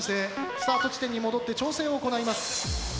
スタート地点に戻って調整を行います。